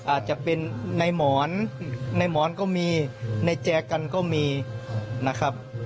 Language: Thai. อาจจะเป็นในหมอนในหมอนก็มีในแจกันก็มีนะครับ